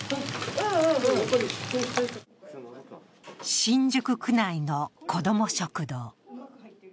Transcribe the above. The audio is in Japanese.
新宿区内の子ども食堂。